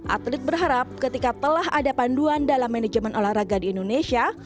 atlet berharap ketika telah ada panduan dalam manajemen olahraga di indonesia